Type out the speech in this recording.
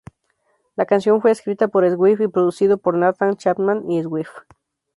La canción fue escrita por Swift, y producido por Nathan Chapman y Swift.